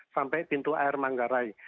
sampai pintu air manggarai